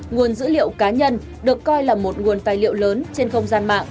nguồn dữ liệu cá nhân được coi là một nguồn tài liệu lớn